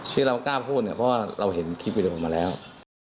ที่เรากล้าพูดเนี่ยเพราะว่าเราเห็นคลิปวิดีโอมาแล้ว